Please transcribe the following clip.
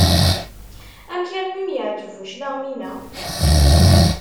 Amek armi i am-yeɛǧeb bu claɣem-ina?